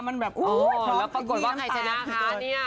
แล้วปรากฎว่าใครชนะคะเนี่ย